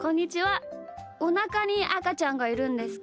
おなかにあかちゃんがいるんですか？